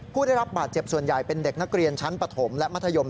ผู้ได้รับบาดเจ็บส่วนใหญ่เป็นเด็กนักเรียนชั้นปฐมและมัธยม